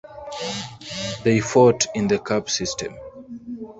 They fought in the cup system.